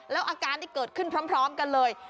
แล้วอาการที่เกิดขึ้นพร้อมกันเลย